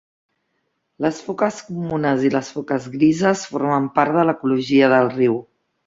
Les foques comunes i les foques grises formen part de l'ecologia del riu.